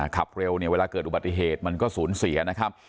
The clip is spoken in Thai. ขับเร็วเนี่ยเวลาเกิดอุบัติเหตุมันก็สูญเสียนะครับ